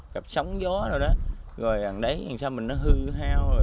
gặp sóng gió rồi đó rồi hàng đáy hàng xong mình nó hư hao rồi